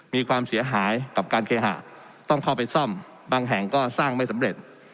มีความเสียหายกับการเคหะต้องเข้าไปซ่อมบางแห่งก็สร้างไม่สำเร็จ